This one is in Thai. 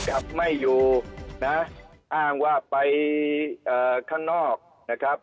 กลับไม่อยู่นะอ้างว่าไปเอ่อข้างนอกนะครับ